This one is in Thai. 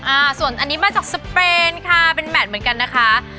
อ่าส่วนอันนี้มาจากสเปนค่ะเป็นแมทเหมือนกันนะคะ